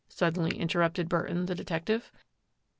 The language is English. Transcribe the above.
suddenly interrupted Burton, the detec tive.